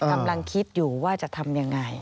กำลังคิดอยู่ว่าจะทำยังไง